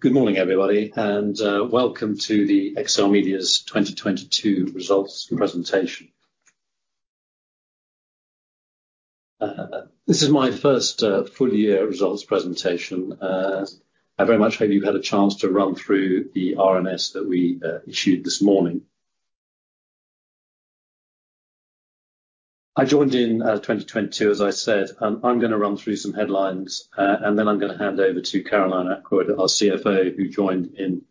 Good morning, everybody, welcome to the XLMedia's 2022 results presentation. This is my first full year results presentation. I very much hope you've had a chance to run through the RNS that we issued this morning. I joined in 2022, as I said, I'm gonna run through some headlines, then I'm gonna hand over to Caroline Ackroyd, our CFO, who joined in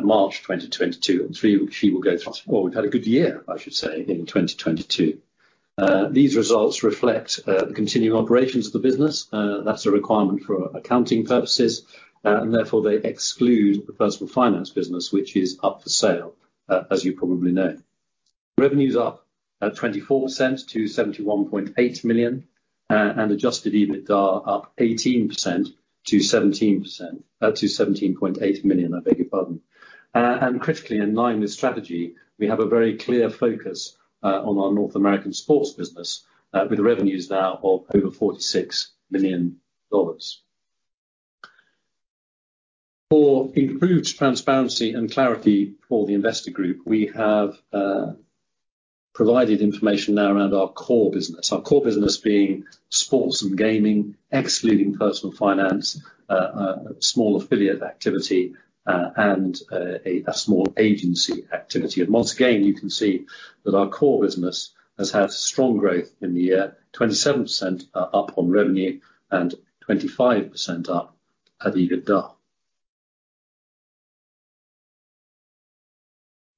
March 2022, she will go through... We've had a good year, I should say, in 2022. These results reflect the continuing operations of the business. That's a requirement for accounting purposes, therefore they exclude the personal finance business which is up for sale, as you probably know. Revenues up at 24% to $71.8 million, and adjusted EBITDA up 18% to 17%, to $17.8 million, I beg your pardon. Critically in line with strategy, we have a very clear focus on our North American sports business, with revenues now of over $46 million. For improved transparency and clarity for the investor group, we have provided information now around our core business. Our core business being sports and gaming, excluding personal finance, small affiliate activity, and a small agency activity. Once again, you can see that our core business has had strong growth in the year, 27% up on revenue and 25% up at EBITDA.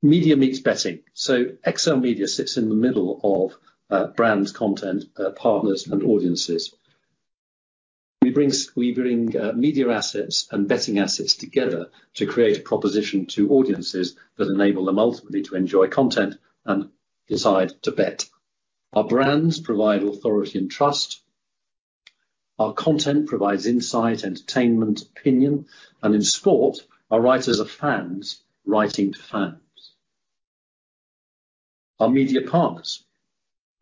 Media meets betting. XLMedia sits in the middle of brand content, partners and audiences. We bring media assets and betting assets together to create a proposition to audiences that enable them ultimately to enjoy content and decide to bet. Our brands provide authority and trust. Our content provides insight, entertainment, opinion, and in sport, our writers are fans writing to fans. Our media partners.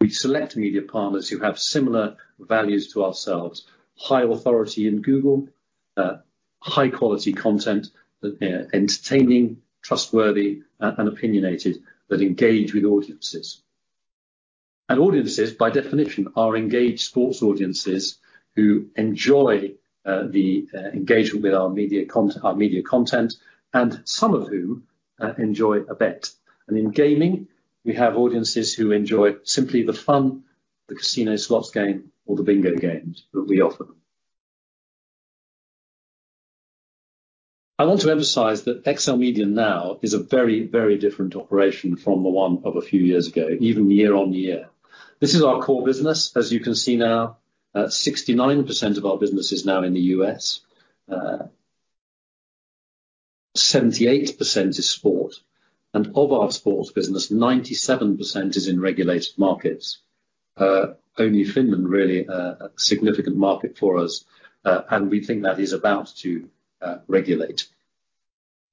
We select media partners who have similar values to ourselves, high authority in Google, high quality content, entertaining, trustworthy, and opinionated, that engage with audiences. Audiences, by definition, are engaged sports audiences who enjoy the engagement with our media content, and some of whom enjoy a bet. In gaming, we have audiences who enjoy simply the fun, the casino slots game or the bingo games that we offer. I want to emphasize that XLMedia now is a very, very different operation from the one of a few years ago, even year on year. This is our core business. As you can see now, 69% of our business is now in the U.S. 78% is sport, and of our sports business, 97% is in regulated markets. Only Finland really a significant market for us, and we think that is about to regulate.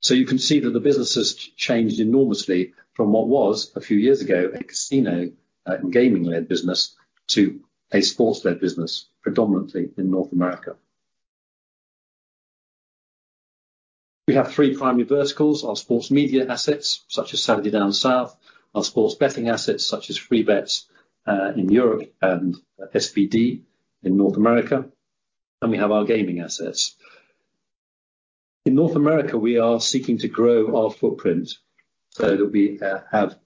You can see that the business has changed enormously from what was, a few years ago, a casino, and gaming-led business, to a sports-led business, predominantly in North America. We have three primary verticals: Our sports media assets, such as Saturday Down South. Our sports betting assets, such as Freebets, in Europe and SBD in North America. We have our gaming assets. In North America, we are seeking to grow our footprint, so that we have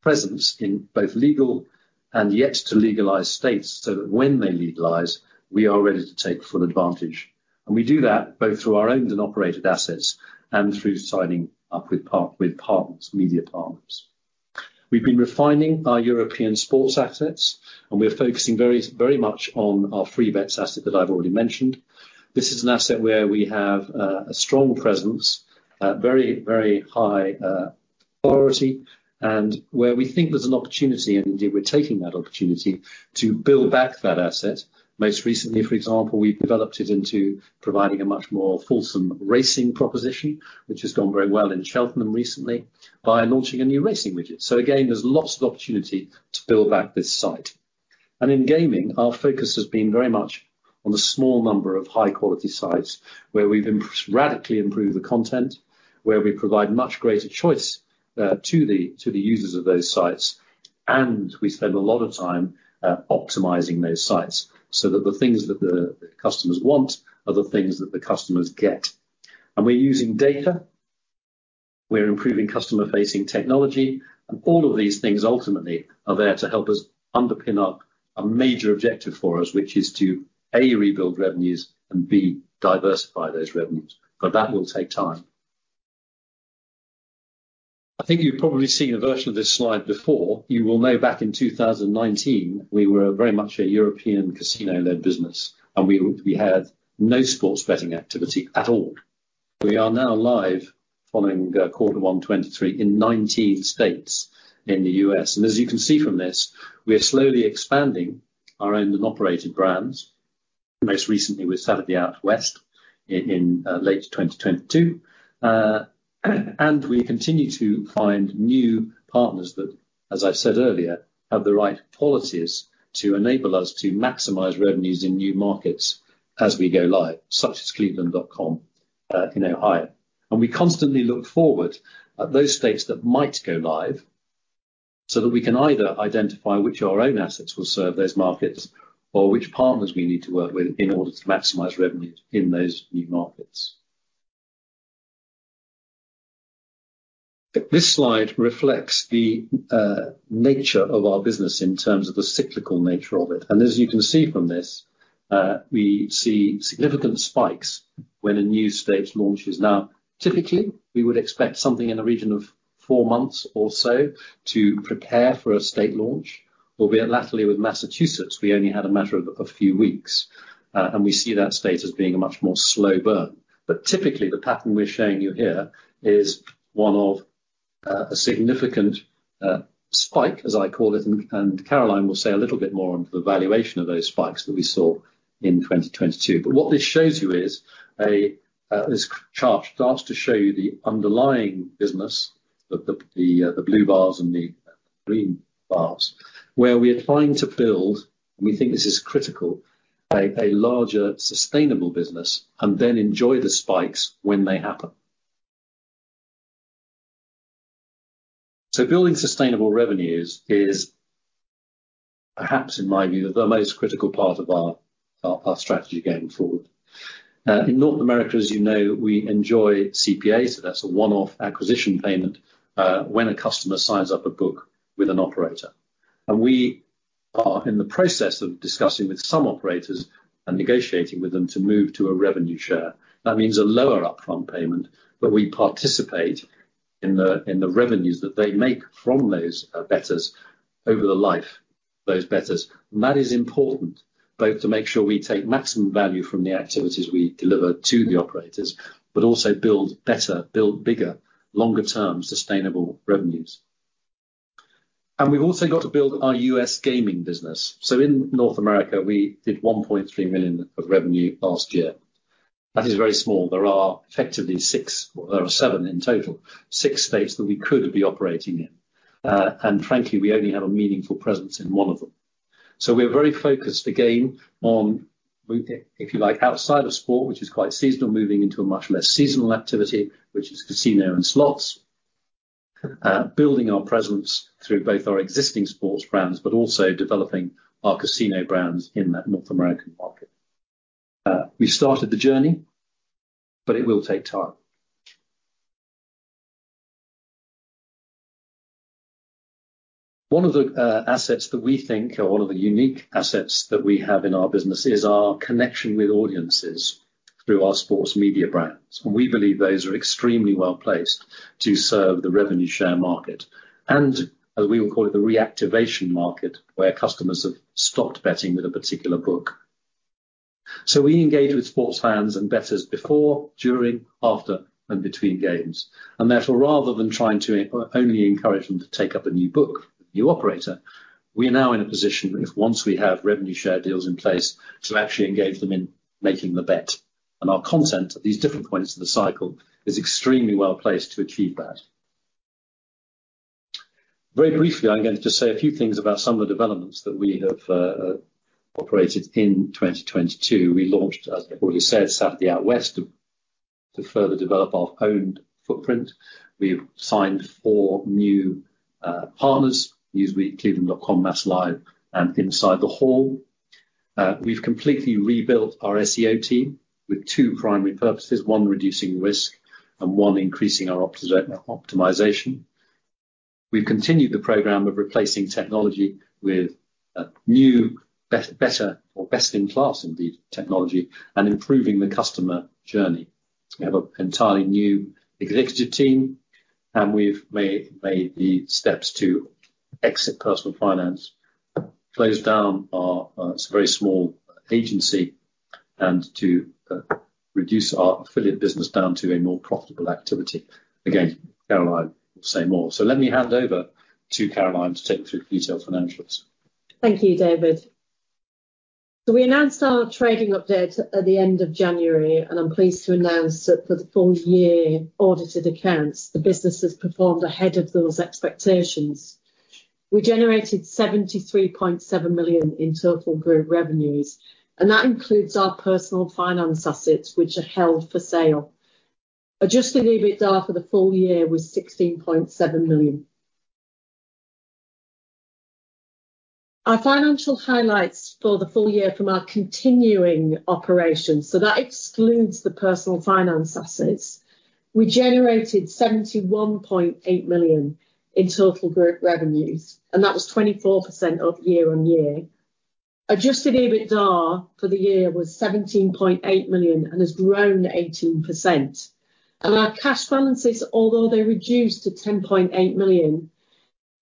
presence in both legal and yet to legalize states, so that when they legalize, we are ready to take full advantage. We do that both through our owned and operated assets and through signing up with partners, media partners. We've been refining our European sports assets. We are focusing very, very much on our Freebets asset that I've already mentioned. This is an asset where we have a strong presence, very, very high authority, and where we think there's an opportunity, and indeed, we're taking that opportunity, to build back that asset. Most recently, for example, we've developed it into providing a much more fulsome racing proposition, which has gone very well in Cheltenham recently by launching a new racing widget. Again, there's lots of opportunity to build back this site. In gaming, our focus has been very much on the small number of high-quality sites where we've radically improved the content, where we provide much greater choice to the users of those sites, and we spend a lot of time optimizing those sites so that the things that the customers want are the things that the customers get. We're using data, we're improving customer-facing technology, and all of these things ultimately are there to help us underpin a major objective for us, which is to, A, rebuild revenues and, B, diversify those revenues. That will take time. I think you've probably seen a version of this slide before. You will know back in 2019, we were very much a European casino-led business, and we had no sports betting activity at all. We are now live following Q1 2023 in 19 states in the U.S. As you can see from this, we are slowly expanding our owned and operated brands. Most recently with Saturday Out West in late 2022. We continue to find new partners that, as I said earlier, have the right policies to enable us to maximize revenues in new markets as we go live, such as Cleveland.com, you know. We constantly look forward at those states that might go live so that we can either identify which our own assets will serve those markets or which partners we need to work with in order to maximize revenue in those new markets. This slide reflects the nature of our business in terms of the cyclical nature of it. As you can see from this, we see significant spikes when a new state launches. Typically, we would expect something in the region of four months or so to prepare for a state launch, albeit latterly with Massachusetts, we only had a matter of a few weeks. We see that state as being a much more slow burn. Typically, the pattern we're showing you here is one of a significant spike, as I call it, and Caroline will say a little bit more on the valuation of those spikes that we saw in 2022. What this shows you is a, this chart starts to show you the underlying business, the, the blue bars and the green bars, where we are trying to build, and we think this is critical, a larger sustainable business, and then enjoy the spikes when they happen. Building sustainable revenues is perhaps, in my view, the most critical part of our strategy going forward. In North America, as you know, we enjoy CPAs, so that's a one-off acquisition payment, when a customer signs up a book with an operator. We are in the process of discussing with some operators and negotiating with them to move to a revenue share. That means a lower upfront payment, but we participate in the revenues that they make from those bettors over the life of those bettors. That is important both to make sure we take maximum value from the activities we deliver to the operators, but also build better, build bigger, longer-term sustainable revenues. We've also got to build our US gaming business. In North America, we did $1.3 million of revenue last year. That is very small. There are effectively Well, there are 7 in total, 6 states that we could be operating in. Frankly, we only have a meaningful presence in 1 of them. We are very focused again on If you like, outside of sport, which is quite seasonal, moving into a much less seasonal activity, which is casino and slots. Building our presence through both our existing sports brands, but also developing our casino brands in that North American market. We started the journey, but it will take time. One of the assets that we think or one of the unique assets that we have in our business is our connection with audiences through our sports media brands. We believe those are extremely well-placed to serve the revenue share market, and as we would call it, the reactivation market, where customers have stopped betting with a particular book. We engage with sports fans and bettors before, during, after, and between games. Therefore, rather than trying to only encourage them to take up a new book, new operator, we are now in a position if once we have revenue share deals in place to actually engage them in making the bet. Our content at these different points of the cycle is extremely well-placed to achieve that. Very briefly, I'm going to just say a few things about some of the developments that we have operated in 2022. We launched, as I've already said, Saturday Out West to further develop our owned footprint. We've signed 4 new partners, Newsweek, Cleveland.com, MassLive, and Inside the Hall. We've completely rebuilt our SEO team with 2 primary purposes, 1 reducing risk and 1 increasing our optimization. We've continued the program of replacing technology with new, better or best-in-class, indeed, technology and improving the customer journey. We have an entirely new executive team, and we've made the steps to exit personal finance, closed down our, it's a very small agency, and to reduce our affiliate business down to a more profitable activity. Again, Caroline will say more. Let me hand over to Caroline to take you through the detailed financials. Thank you, David. We announced our trading update at the end of January, and I'm pleased to announce that for the full-year audited accounts, the business has performed ahead of those expectations. We generated 73.7 million in total group revenues, and that includes our personal finance assets, which are held for sale. Adjusted EBITDA for the full year was 16.7 million. Our financial highlights for the full year from our continuing operations, that excludes the personal finance assets, we generated 71.8 million in total group revenues, and that was 24% up year-on-year. Adjusted EBITDA for the year was 17.8 million and has grown 18%. Our cash balances although they reduced to 10.8 million,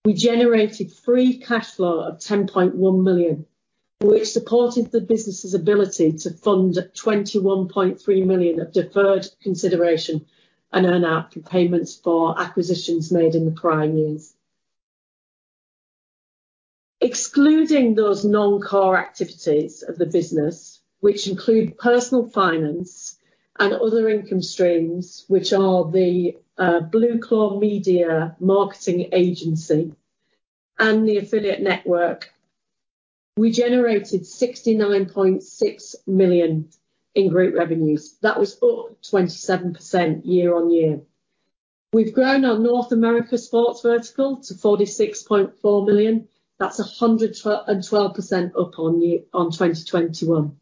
we generated free cash flow of 10.1 million, which supported the business's ability to fund 21.3 million of deferred consideration and earn-out payments for acquisitions made in the prior years. Excluding those non-core activities of the business, which include personal finance and other income streams, which are the Blueclaw Media marketing agency and the affiliate network, we generated 69.6 million in group revenues. That was up 27% year-on-year. We've grown our North America sports vertical to 46.4 million. That's 112% up on 2021.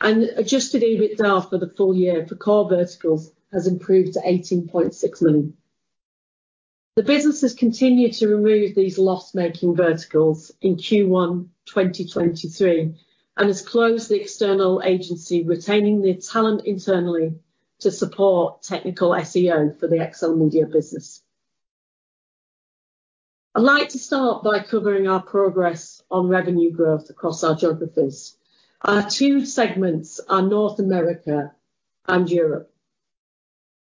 Adjusted EBITDA for the full year for core verticals has improved to 18.6 million. The business has continued to remove these loss-making verticals in Q1 2023 and has closed the external agency, retaining the talent internally to support technical SEO for the XLMedia business. I'd like to start by covering our progress on revenue growth across our geographies. Our two segments are North America and Europe.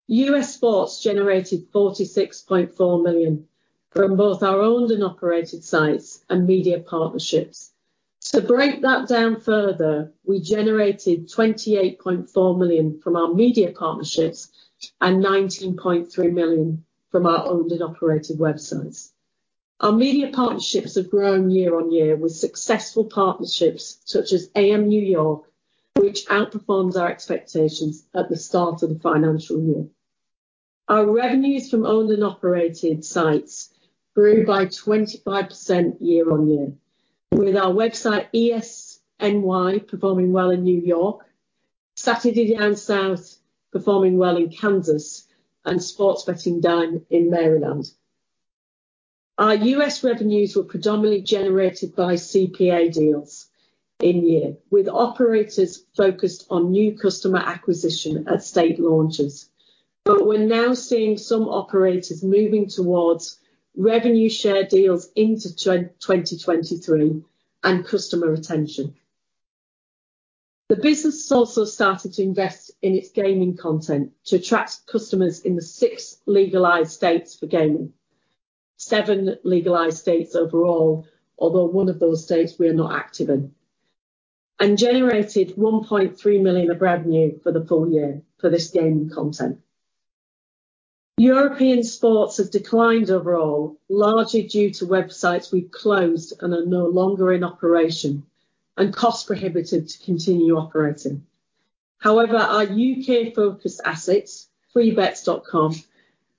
US sports generated $46.4 million from both our owned and operated sites and media partnerships. To break that down further, we generated $28.4 million from our media partnerships and $19.3 million from our owned and operated websites. Our media partnerships have grown year-on-year with successful partnerships such as amNewYork, which outperforms our expectations at the start of the financial year. Our revenues from owned and operated sites grew by 25% year-on-year, with our website ESNY performing well in New York, Saturday Down South performing well in Kansas, and Sports Betting Dime in Maryland. We're now seeing some operators moving towards revenue share deals into 2023 and customer retention. The business has also started to invest in its gaming content to attract customers in the six legalized states for gaming. Seven legalized states overall, although one of those states we are not active in, and generated $1.3 million of revenue for the full year for this gaming content. European sports have declined overall, largely due to websites we closed and are no longer in operation and cost prohibitive to continue operating. However, our U.K.-focused assets, Freebets.com,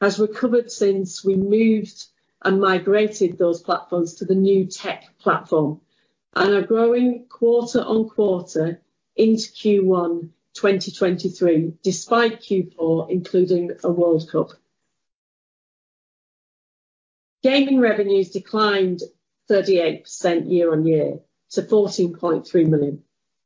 has recovered since we moved and migrated those platforms to the new tech platform and are growing quarter-on-quarter into Q1 2023, despite Q4 including a World Cup. Gaming revenues declined 38% year-on-year to $14.3 million,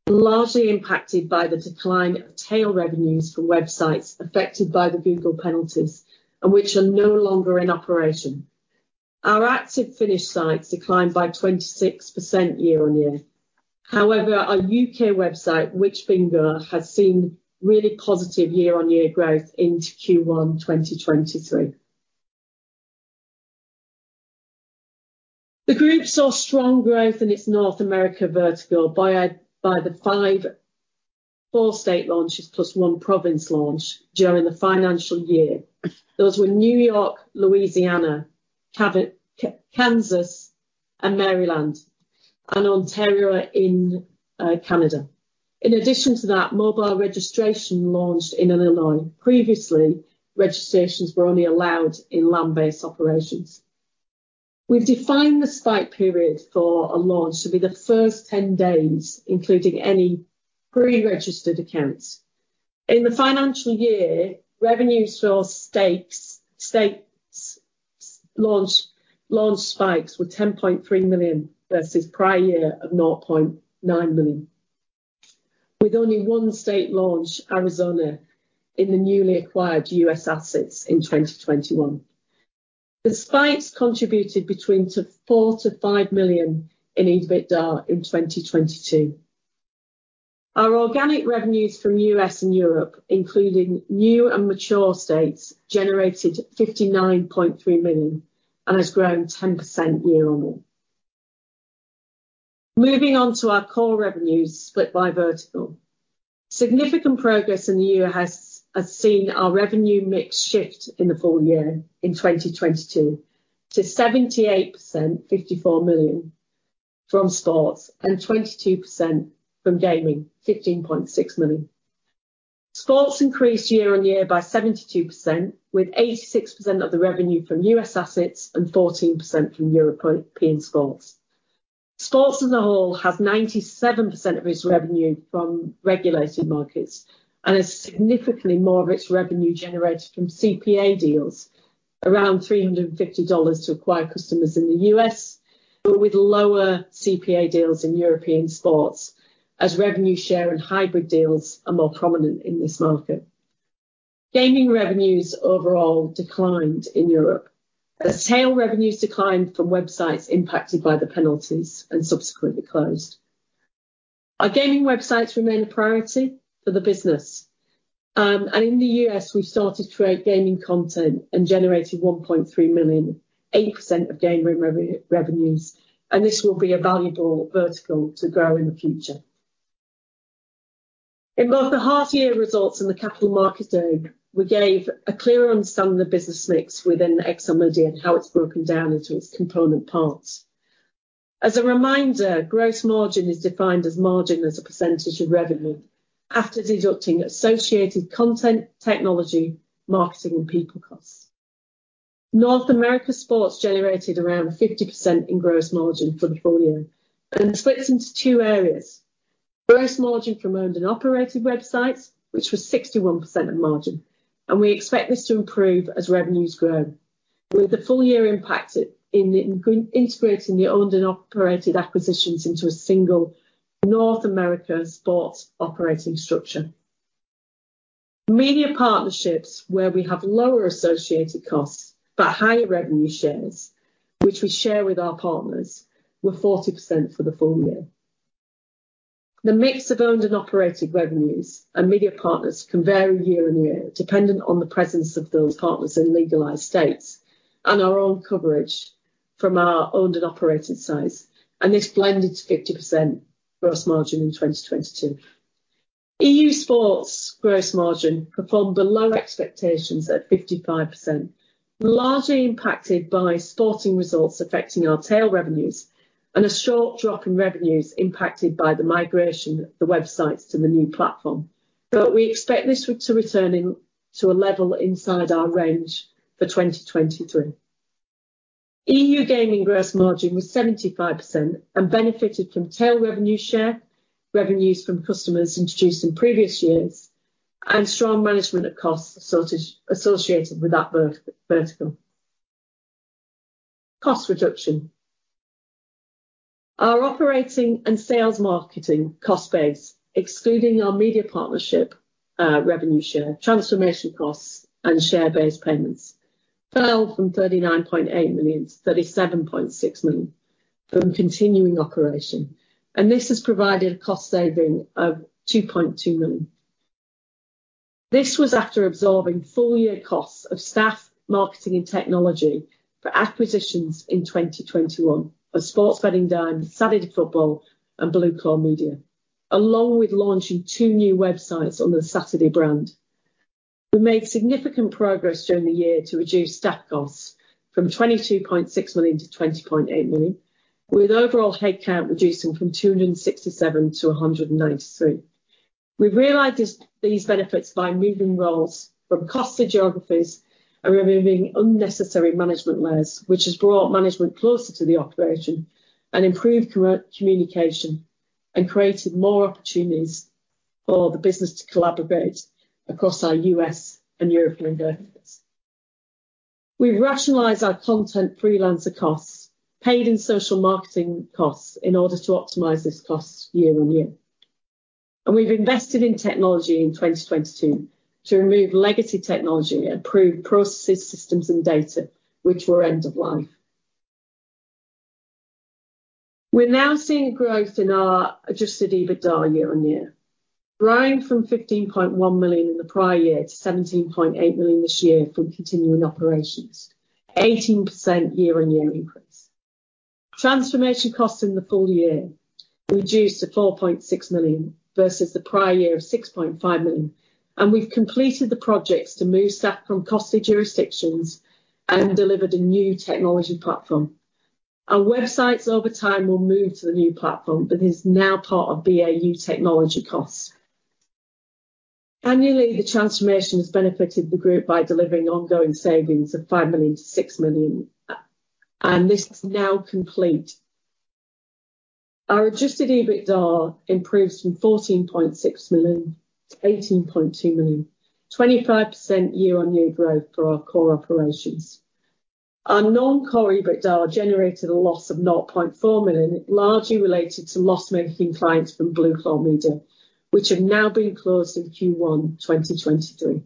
largely impacted by the decline of tail revenues from websites affected by the Google penalties and which are no longer in operation. Our active Finnish sites declined by 26% year-on-year. However, our U.K. website, WhichBingo, has seen really positive year-on-year growth into Q1 2023. The group saw strong growth in its North America vertical by the four state launches plus one province launch during the financial year. Those were New York, Louisiana, Kansas, and Maryland, and Ontario in Canada. In addition to that, mobile registration launched in Illinois. Previously, registrations were only allowed in land-based operations. We've defined the spike period for a launch to be the first 10 days, including any pre-registered accounts. In the financial year, revenues for stakes, states launch spikes were $10.3 million versus prior year of $0.9 million, with only one state launch, Arizona, in the newly acquired U.S. assets in 2021. The spikes contributed between $4 million-$5 million in EBITDA in 2022. Our organic revenues from U.S. and Europe, including new and mature states, generated $59.3 million and has grown 10% year-on-year. Moving on to our core revenues split by vertical. Significant progress in the year has seen our revenue mix shift in the full year in 2022 to 78%, $54 million from sports and 22% from gaming, $15.6 million. Sports increased year-on-year by 72%, with 86% of the revenue from U.S. assets and 14% from European sports. Sports as a whole has 97% of its revenue from regulated markets and has significantly more of its revenue generated from CPA deals, around $350 to acquire customers in the U.S., but with lower CPA deals in European sports as revenue share and hybrid deals are more prominent in this market. Gaming revenues overall declined in Europe as tail revenues declined from websites impacted by the penalties and subsequently closed. Our gaming websites remain a priority for the business. In the U.S., we started to create gaming content and generated $1.3 million, 8% of gaming revenues, and this will be a valuable vertical to grow in the future. In both the half year results and the capital market day, we gave a clear understanding of the business mix within XLMedia and how it's broken down into its component parts. As a reminder, gross margin is defined as margin as a percentage of revenue after deducting associated content, technology, marketing, and people costs. North America sports generated around 50% in gross margin for the full year and splits into two areas. Gross margin from owned and operated websites, which was 61% of margin, and we expect this to improve as revenues grow. With the full year impact in integrating the owned and operated acquisitions into a single North America sports operating structure. Media partnerships, where we have lower associated costs but higher revenue shares, which we share with our partners, were 40% for the full year. The mix of owned and operated revenues and media partners can vary year on year, dependent on the presence of those partners in legalized states and our own coverage from our owned and operated sites, and this blended to 50% gross margin in 2022. EU sports gross margin performed below expectations at 55%, largely impacted by sporting results affecting our tail revenues and a sharp drop in revenues impacted by the migration of the websites to the new platform. We expect this to return to a level inside our range for 2023. EU gaming gross margin was 75% and benefited from tail revenue share, revenues from customers introduced in previous years, and strong management of costs associated with that vertical. Cost reduction. Our operating and sales marketing cost base, excluding our media partnership, revenue share, transformation costs, and share-based payments, fell from 39.8 million to 37.6 million from continuing operation. This has provided a cost saving of 2.2 million. This was after absorbing full year costs of staff, marketing, and technology for acquisitions in 2021 of Sports Betting Dime, Saturday Football, and Blueclaw Media, along with launching two new websites on the Saturday brand. We made significant progress during the year to reduce staff costs from 22.6 million to 20.8 million, with overall headcount reducing from 267 to 193. We realized these benefits by moving roles from costly geographies and removing unnecessary management layers, which has brought management closer to the operation and improved communication and created more opportunities for the business to collaborate across our U.S. and European businesses. We rationalized our content freelancer costs, paid and social marketing costs in order to optimize this cost year-on-year. We've invested in technology in 2022 to remove legacy technology and improve processes, systems, and data which were end of life. We're now seeing growth in our adjusted EBITDA year-on-year, growing from $15.1 million in the prior year to $17.8 million this year from continuing operations, 18% year-on-year increase. Transformation costs in the full year reduced to 4.6 million versus the prior year of 6.5 million. We've completed the projects to move staff from costly jurisdictions and delivered a new technology platform. Our websites over time will move to the new platform that is now part of BAU technology costs. Annually, the transformation has benefited the group by delivering ongoing savings of 5 million-6 million, and this is now complete. Our adjusted EBITDA improved from 14.6 million to 18.2 million, 25% year-on-year growth for our core operations. Our non-core EBITDA generated a loss of 0.4 million, largely related to loss-making clients from Blueclaw Media, which have now been closed in Q1 2023.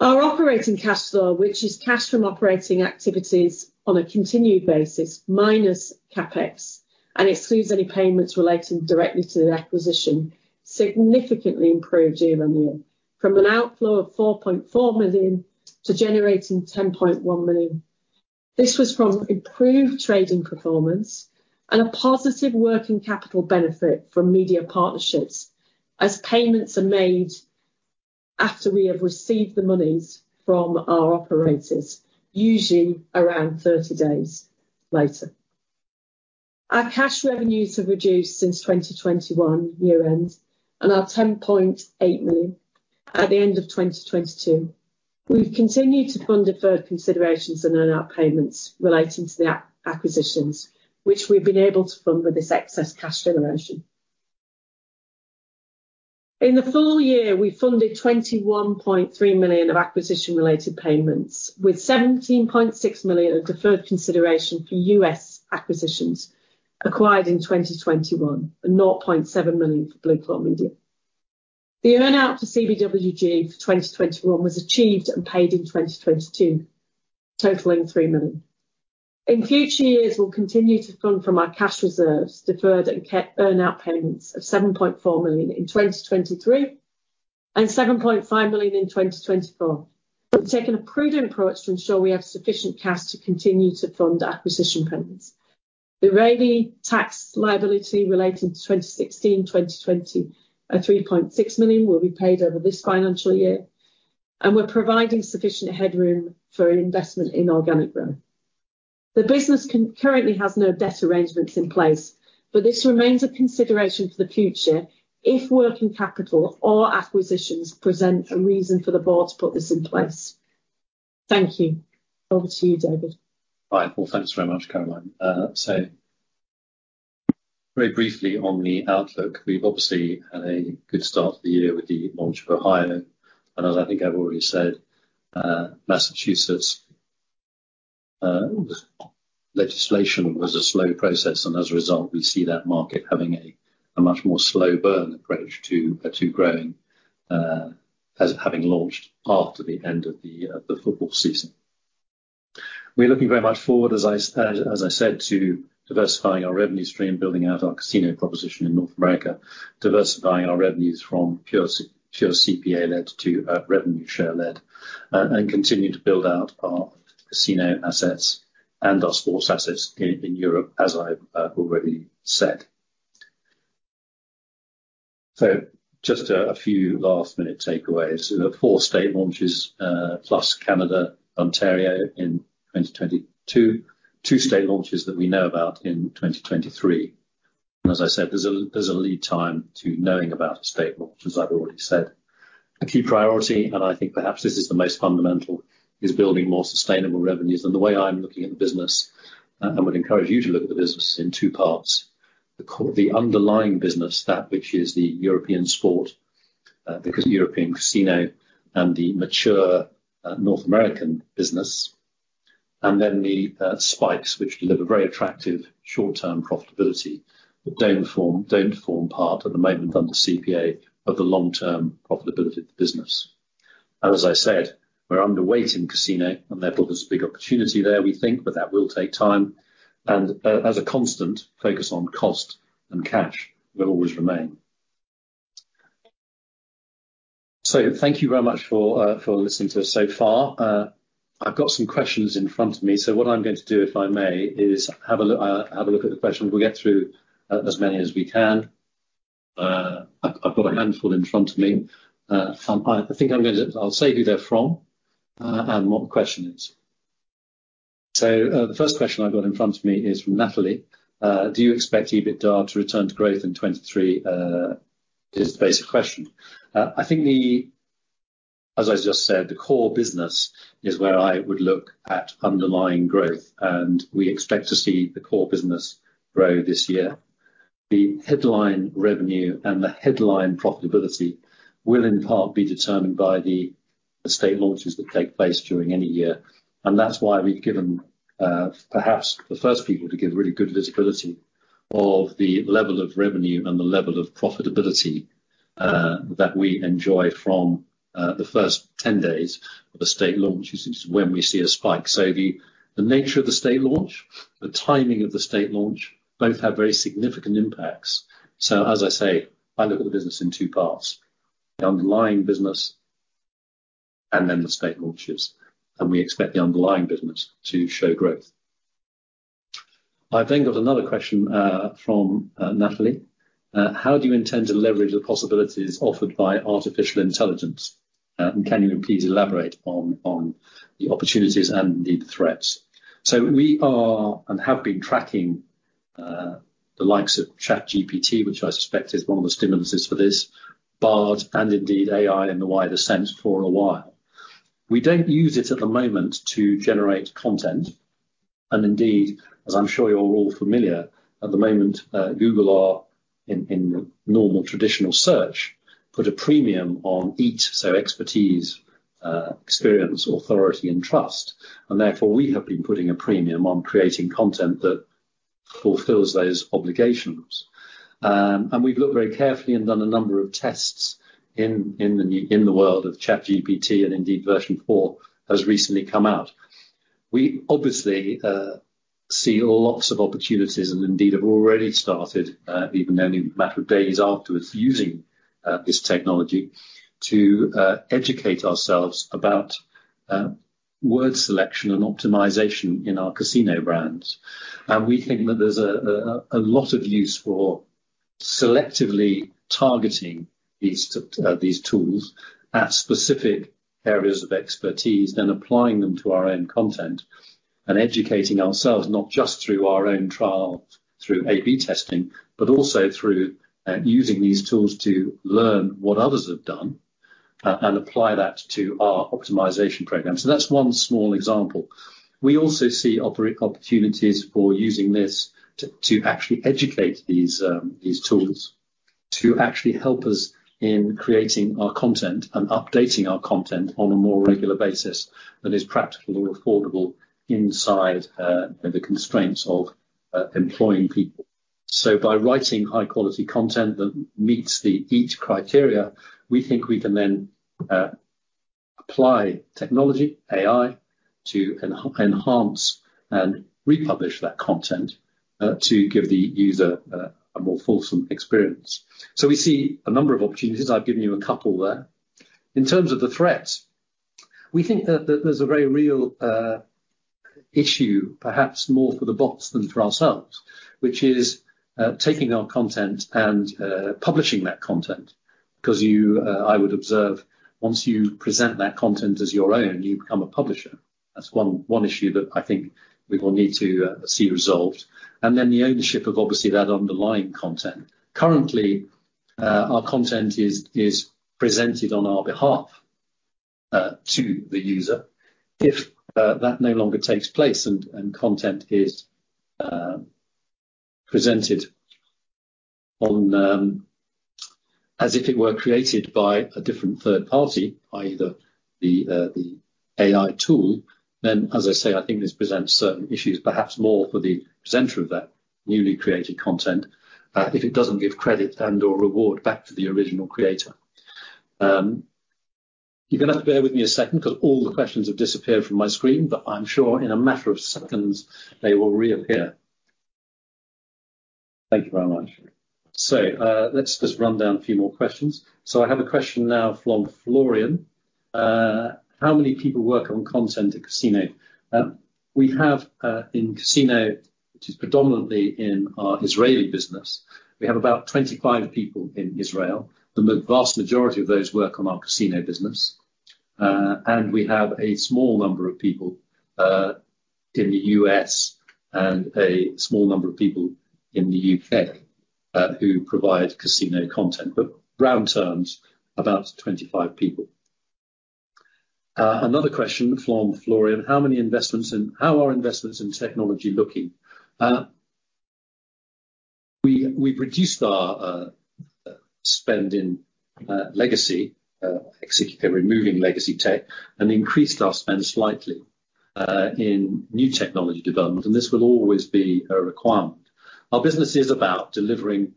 Our operating cash flow, which is cash from operating activities on a continued basis minus CapEx and excludes any payments relating directly to the acquisition, significantly improved year-on-year from an outflow of $4.4 million to generating $10.1 million. This was from improved trading performance and a positive working capital benefit from media partnerships as payments are made after we have received the monies from our operators, usually around 30 days later. Our cash revenues have reduced since 2021 year end and are $10.8 million at the end of 2022. We've continued to fund deferred considerations and earn-out payments relating to the acquisitions, which we've been able to fund with this excess cash generation. In the full year, we funded $21.3 million of acquisition-related payments, with $17.6 million of deferred consideration for U.S. acquisitions acquired in 2021 and $0.7 million for Blueclaw Media. The earn-out for CBWG for 2021 was achieved and paid in 2022, totaling $3 million. In future years, we'll continue to fund from our cash reserves deferred and earn-out payments of $7.4 million in 2023 and $7.5 million in 2024. We've taken a prudent approach to ensure we have sufficient cash to continue to fund acquisition payments. The RGD tax liability relating to 2016, 2020 of $3.6 million will be paid over this financial year, we're providing sufficient headroom for investment in organic growth. The business currently has no debt arrangements in place. This remains a consideration for the future if working capital or acquisitions present a reason for the Board to put this in place. Thank you. Over to you, David. Well, thanks very much, Caroline. Very briefly on the outlook, we've obviously had a good start to the year with the launch of Ohio. As I think I've already said, Massachusetts legislation was a slow process, and as a result, we see that market having a much more slow burn approach to growing, as having launched after the end of the football season. We're looking very much forward, as I said, to diversifying our revenue stream, building out our casino proposition in North America, diversifying our revenues from pure CPA-led to revenue share-led, and continue to build out our casino assets and our sports assets in Europe, as I've already said. Just a few last-minute takeaways. We've got 4 state launches, plus Canada, Ontario in 2022. Two state launches that we know about in 2023. As I said, there's a lead time to knowing about a state launch, as I've already said. A key priority, and I think perhaps this is the most fundamental, is building more sustainable revenues. The way I'm looking at the business, and would encourage you to look at the business in two parts. The underlying business, that which is the European sport, the European casino and the mature North American business, and then the spikes which deliver very attractive short-term profitability but don't form part at the moment under CPA of the long-term profitability of the business. As I said, we're underweight in casino, and therefore, there's a big opportunity there, we think, but that will take time. As a constant focus on cost and cash will always remain. Thank you very much for listening to us so far. I've got some questions in front of me. What I'm going to do, if I may, is have a look, have a look at the questions. We'll get through as many as we can. I've got a handful in front of me. I think I'll say who they're from and what the question is. The first question I've got in front of me is from Natalie: Do you expect EBITDA to return to growth in 23? Is the basic question. I think as I just said, the core business is where I would look at underlying growth. We expect to see the core business grow this year. The headline revenue and the headline profitability will in part be determined by the state launches that take place during any year. That's why we've given perhaps the first people to give really good visibility of the level of revenue and the level of profitability that we enjoy from the first 10 days of the state launches is when we see a spike. The nature of the state launch, the timing of the state launch both have very significant impacts. As I say, I look at the business in 2 parts, the underlying business and then the state launches. We expect the underlying business to show growth. I've then got another question, from Natalie: How do you intend to leverage the possibilities offered by artificial intelligence? Can you please elaborate on the opportunities and the threats? We are and have been tracking, the likes of ChatGPT, which I suspect is one of the stimuluses for this, Bard, and indeed AI in the wider sense for a while. We don't use it at the moment to generate content, and indeed, as I'm sure you're all familiar, at the moment, Google are in normal traditional search, put a premium on EEAT, so expertise, experience, authority, and trust. Therefore, we have been putting a premium on creating content that fulfills those obligations. We've looked very carefully and done a number of tests in the world of ChatGPT, and indeed version 4 has recently come out. We obviously see lots of opportunities and indeed have already started, even only a matter of days afterwards, using this technology to educate ourselves about word selection and optimization in our casino brands. We think that there's a lot of use for selectively targeting these tools at specific areas of expertise, then applying them to our own content and educating ourselves not just through our own trials, through A/B testing, but also through using these tools to learn what others have done and apply that to our optimization program. That's one small example. We also see opportunities for using this to actually educate these tools to actually help us in creating our content and updating our content on a more regular basis that is practical and affordable inside the constraints of employing people. By writing high quality content that meets the EEAT criteria, we think we can then apply technology, AI, to enhance and republish that content to give the user a more fulsome experience. We see a number of opportunities. I've given you a couple there. In terms of the threats, we think that there's a very real issue, perhaps more for the bots than for ourselves, which is taking our content and publishing that content. Cause you, I would observe, once you present that content as your own, you become a publisher. That's one issue that I think we will need to see resolved. The ownership of obviously that underlying content. Currently, our content is presented on our behalf to the user. If that no longer takes place and content is presented on as if it were created by a different third party, i.e. the AI tool, then as I say, I think this presents certain issues, perhaps more for the presenter of that newly created content, if it doesn't give credit and/or reward back to the original creator. You're gonna have to bear with me a second 'cause all the questions have disappeared from my screen, but I'm sure in a matter of seconds they will reappear. Thank you very much. Let's just run down a few more questions. I have a question now from Florian. How many people work on content at casino? We have in casino, which is predominantly in our Israeli business, we have about 25 people in Israel. The vast majority of those work on our casino business. We have a small number of people in the U.S. and a small number of people in the U.K. who provide casino content. Round terms, about 25 people. Another question from Florian. How are investments in technology looking? We've reduced our spend in legacy, removing legacy tech and increased our spend slightly in new technology development. This will always be a requirement. Our business is about delivering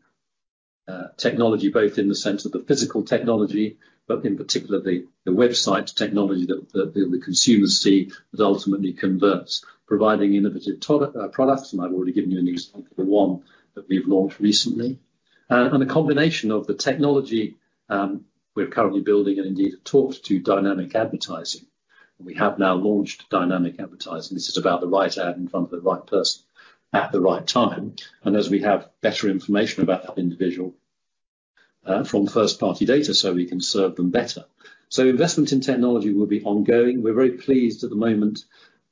technology both in the sense of the physical technology, but in particular the website technology that the consumers see that ultimately converts, providing innovative products, I've already given you an example of one that we've launched recently. A combination of the technology we're currently building and indeed have talked to dynamic advertising, we have now launched dynamic advertising. This is about the right ad in front of the right person at the right time, as we have better information about that individual from first-party data, we can serve them better. Investment in technology will be ongoing. We're very pleased at the moment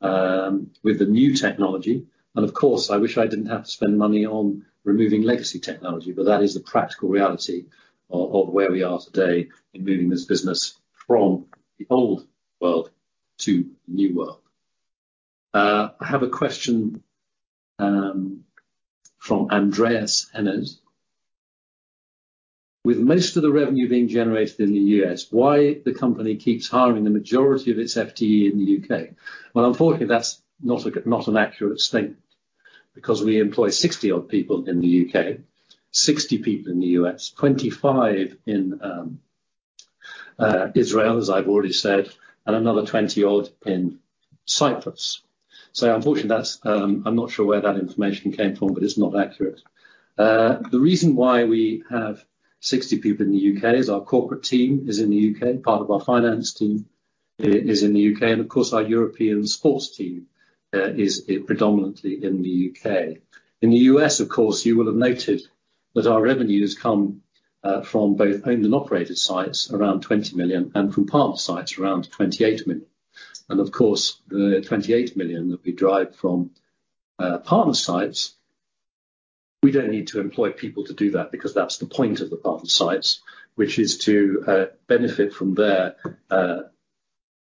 with the new technology, and of course, I wish I didn't have to spend money on removing legacy technology, but that is the practical reality of where we are today in moving this business from the old world to the new world. I have a question from Andreas Oranje. With most of the revenue being generated in the U.S., why the company keeps hiring the majority of its FTE in the U.K.? Unfortunately, that's not an accurate statement, because we employ 60-odd people in the U.K., 60 people in the U.S., 25 in Israel, as I've already said, and another 20-odd in Cyprus. Unfortunately, that's I'm not sure where that information came from, but it's not accurate. The reason why we have 60 people in the U.K. is our corporate team is in the U.K., part of our finance team is in the U.K. Of course, our European sports team is predominantly in the U.K. In the U.S., of course, you will have noted that our revenues come from both owned and operated sites, around $20 million, and from partner sites, around $28 million. Of course, the $28 million that we derive from partner sites, we don't need to employ people to do that because that's the point of the partner sites, which is to benefit from their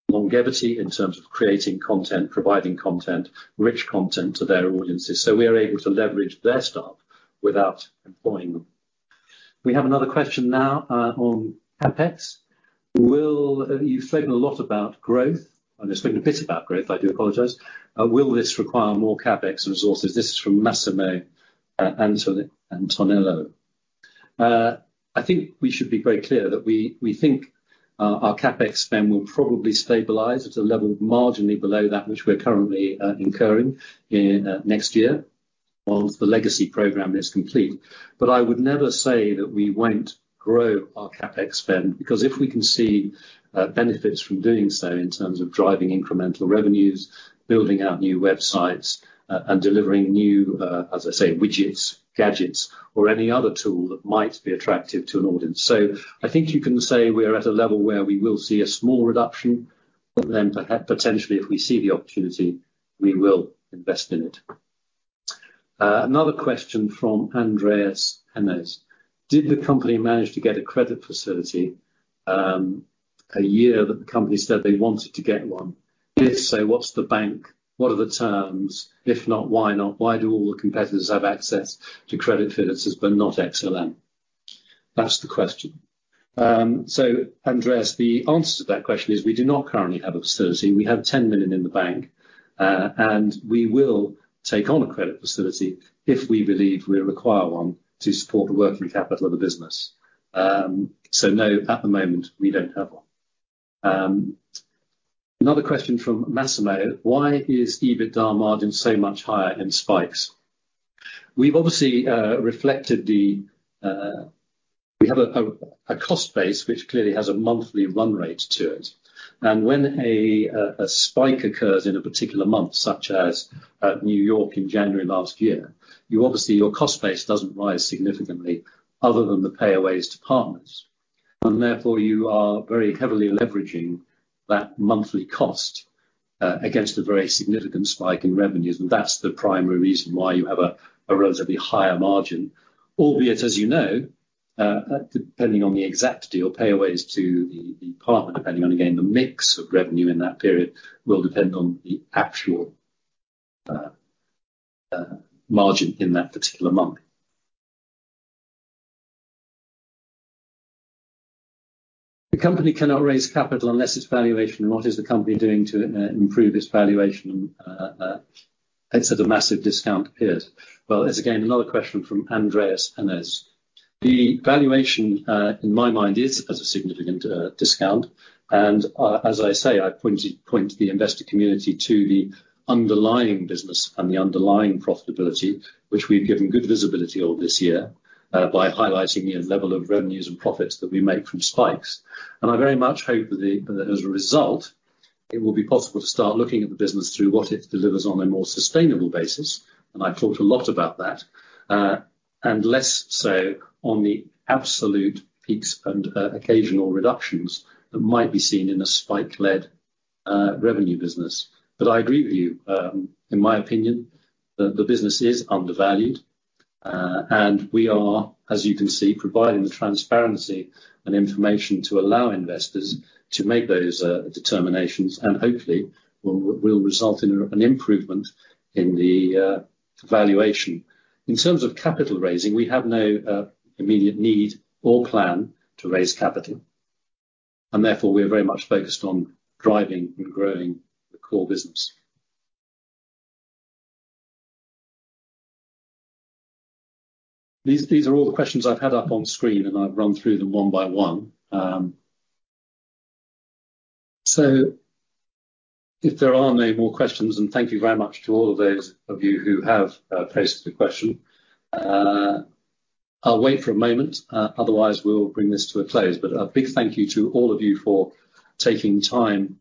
longevity in terms of creating content, providing content, rich content to their audiences. We are able to leverage their staff without employing them. We have another question now on CapEx. You've spoken a lot about growth. I've spoken a bit about growth. I do apologize. Will this require more CapEx resources? This is from Massimo Antonello. I think we should be very clear that we think our CapEx spend will probably stabilize at a level marginally below that which we're currently incurring in next year once the legacy program is complete. I would never say that we won't grow our CapEx spend, because if we can see benefits from doing so in terms of driving incremental revenues, building out new websites and delivering new, as I say, widgets, gadgets, or any other tool that might be attractive to an audience. I think you can say we're at a level where we will see a small reduction, potentially, if we see the opportunity, we will invest in it. Another question from Andreas Oranje. Did the company manage to get a credit facility, a year that the company said they wanted to get one? If so, what's the bank? What are the terms? If not, why not? Why do all the competitors have access to credit facilities, but not XLM? That's the question. Andreas Oranje, the answer to that question is we do not currently have a facility. We have $10 million in the bank. We will take on a credit facility if we believe we require one to support the working capital of the business. No, at the moment we don't have one. Another question from Massimo Antonello: "Why is EBITDA margin so much higher in spikes?" We've obviously. We have a cost base which clearly has a monthly run rate to it. When a spike occurs in a particular month, such as New York in January last year, you obviously, your cost base doesn't rise significantly other than the payaways to partners. Therefore, you are very heavily leveraging that monthly cost against a very significant spike in revenues, and that's the primary reason why you have a relatively higher margin. Albeit, as you know, depending on the exact deal, payaways to the partner, depending on, again, the mix of revenue in that period will depend on the actual margin in that particular month. "The company cannot raise capital unless it's valuation. What is the company doing to improve its valuation? It's at a massive discount period." Well, it's again another question from Andreas Oranje. The valuation in my mind is at a significant discount. As I say, I point the investor community to the underlying business and the underlying profitability, which we've given good visibility all this year, by highlighting the level of revenues and profits that we make from spikes. I very much hope that as a result, it will be possible to start looking at the business through what it delivers on a more sustainable basis, and I've talked a lot about that, and less so on the absolute peaks and occasional reductions that might be seen in a spike-led revenue business. I agree with you. In my opinion, the business is undervalued. We are, as you can see, providing the transparency and information to allow investors to make those determinations, and hopefully will result in an improvement in the valuation. In terms of capital raising, we have no immediate need or plan to raise capital. Therefore, we are very much focused on driving and growing the core business. These are all the questions I've had up on screen, and I've run through them one by one. If there are no more questions, thank you very much to all of those of you who have posted a question. I'll wait for a moment, otherwise we'll bring this to a close. A big thank you to all of you for taking time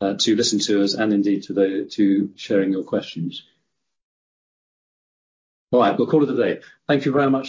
to listen to us and indeed to sharing your questions. All right, we'll call it a day. Thank you very much.